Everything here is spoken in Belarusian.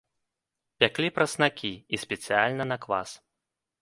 Пяклі праснакі і спецыяльна на квас.